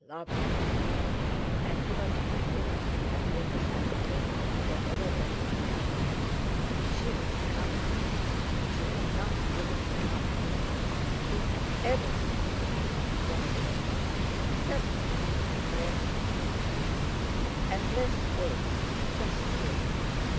Lovely! And he was happy—happy as a sand boy, whatever that might be. She was coming; she had not given him up! He had everything in life he wanted—except a little more breath, and less weight—just here!